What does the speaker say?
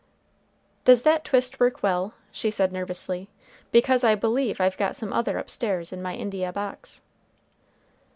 "Does that twist work well?" she said, nervously; "because I believe I've got some other upstairs in my India box."